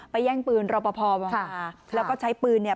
ไปแย่งปืนรอปภค่ะค่ะแล้วก็ใช้ปืนเนี่ย